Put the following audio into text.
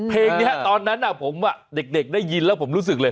เพลงนี้ตอนนั้นผมเด็กได้ยินแล้วผมรู้สึกเลย